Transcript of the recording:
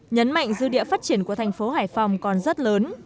nhấn mạnh dư địa phát triển của thành phố hải phòng còn rất lớn